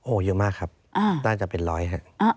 โอ้โหเยอะมากครับน่าจะเป็นร้อยฮะ